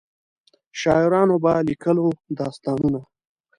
شاعرانو به لیکلو داستانونه.